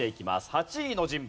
８位の人物